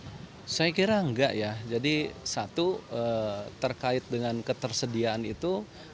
lalu kalau misalnya nanti diturunkan pak apakah itu bisa berpeluang untuk mengganggu stabilitas pangan kesediaan pangan di indonesia